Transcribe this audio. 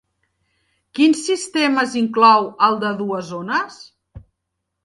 Quins sistemes inclou el de dues zones?